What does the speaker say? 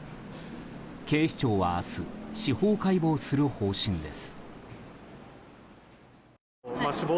警視庁は明日司法解剖する方針です。